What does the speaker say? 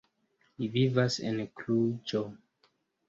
Li vivas en Kluĵo.